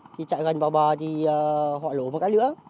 thì chạy gần vào bờ thì họ lùm một cái nữa